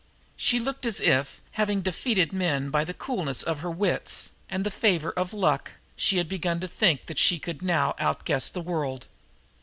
She looked as if, having defeated men by the coolness of her wits and the favor of luck, she had begun to think that she could now outguess the world.